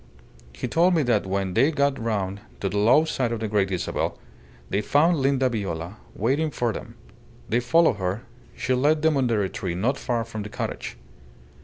He told me that when they got round to the low side of the Great Isabel, they found Linda Viola waiting for them. They followed her: she led them under a tree not far from the cottage.